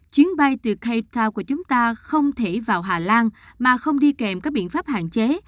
chuyến bay từ ktow của chúng ta không thể vào hà lan mà không đi kèm các biện pháp hạn chế